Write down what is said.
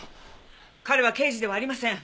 彼は刑事ではありません。